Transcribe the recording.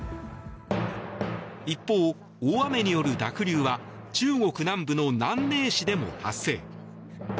一方、大雨による濁流は中国南部の南寧市でも発生。